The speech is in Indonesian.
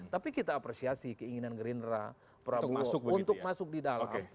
tapi kita apresiasi keinginan gerindra prabowo untuk masuk di dalam